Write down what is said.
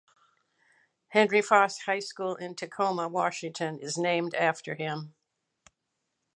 Henry Foss High School in Tacoma, Washington is named after him.